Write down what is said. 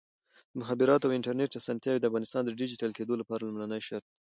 د مخابراتو او انټرنیټ اسانتیاوې د افغانستان د ډیجیټل کېدو لپاره لومړنی شرط دی.